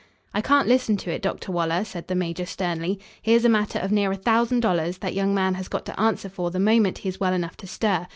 "I can't listen to it, Dr. Waller," said the major, sternly. "Here's a matter of near a thousand dollars that young man has got to answer for the moment he is well enough to stir.